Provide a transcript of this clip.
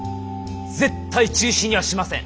絶対中止にはしません。